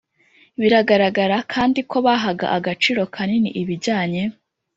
Biragaragara kandi ko bahaga agaciro kanini ibijyanye